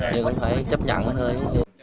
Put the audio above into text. nhưng phải chấp nhận cái nơi